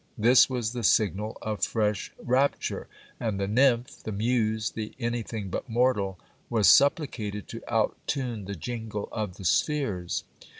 This was the signal of fresh rapture ! and the nymph, the muse, the anything but mortal, was supplicated to outtune the jingle of the spheres.